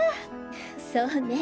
そうね。